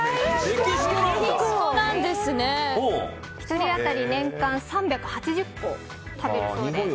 １人当たり年間３８０個食べるそうです。